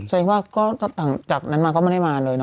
สักอย่างก็จากนั้นมาก็ไม่ได้มาเลยเนอะ